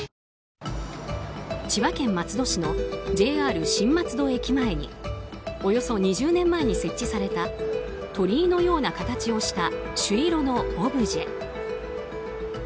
千葉県松戸市のＪＲ新松戸駅前におよそ２０年前に設置された鳥居のような形をした朱色のオブジェ。